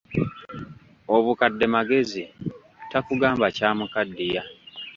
Obukadde magezi, takugamba kyamukaddiya.